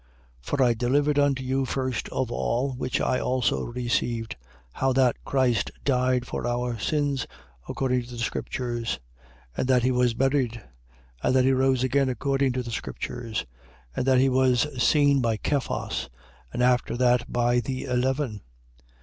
15:3. For I delivered unto you first of all, which I also received: how that Christ died for our sins, according to the scriptures: 15:4. And that he was buried: and that he rose again according to the scriptures: 15:5. And that he was seen by Cephas, and after that by the eleven.